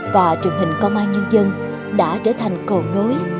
và truyền hình công an nhân dân đã trở thành cầu nối